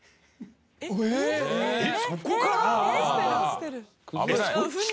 えっそっちから！？